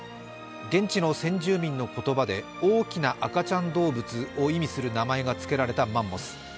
現地の先住民の言葉で大きな赤ちゃん動物を意味する名前が付けられたマンモス。